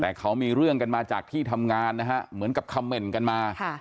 แต่เขามีเรื่องกันมาจากที่ทำงานนะฮะเหมือนกับคำเมนต์กันมา